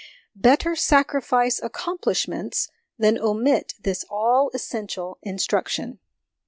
Better sacrifice accom plishments than omit this all essential instruction.